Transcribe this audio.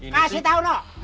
kasih tahu lu